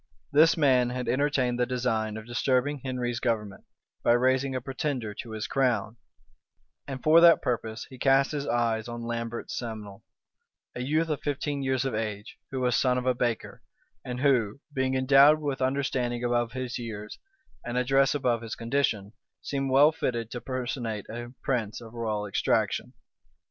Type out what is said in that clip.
This man had entertained the design of disturbing Henry's government, by raising a pretender to his crown, and for that purpose he cast his eyes on Lambert Simnel, a youth of fifteen years of age, who was son of a baker, and who, being endowed with understanding above his years, and address above his condition, seemed well fitted to personate a prince of royal extraction.